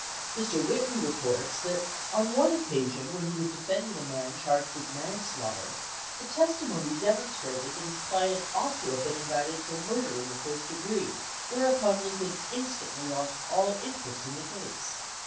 Mr. Whitney reports that on one occasion when he was defending a man charged with man slaughter, the testimony demonstrated that his client ought to have been indicted for murder in the first degree, whereupon Lincoln instantly lost all interest in the case.